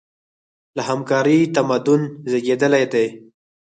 له همکارۍ تمدن زېږېدلی دی.